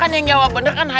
emang jawabannya apa